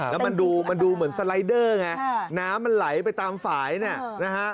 แล้วมันดูมันดูเหมือนสไลเดอร์ไงน้ำมันไหลไปตามฝ่ายเนี่ยนะฮะ